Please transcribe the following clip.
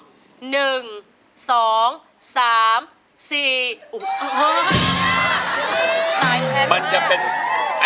ตายทีแพงมาก